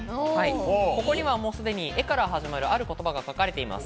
ここには、もうすでに、「エ」から始まるある言葉が書かれています。